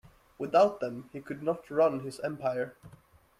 Without them he could not run his empire.